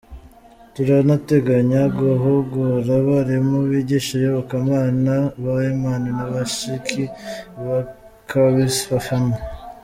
Turanateganya guhugura abarimu bigisha Iyobokamana, ba Imam na ba Sheikh bakabibafashamo.